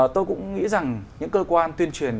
tôi cũng nghĩ rằng những cơ quan tuyên truyền